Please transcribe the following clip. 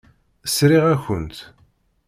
Sriɣ-akent.